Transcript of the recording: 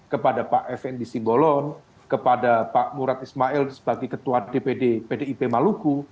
kepada pak fnd simbolon kepada pak murad ismail sebagai ketua dpd pdip maluku